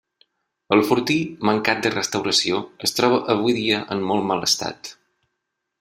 El fortí, mancat de restauració es troba avui dia en molt mal estat.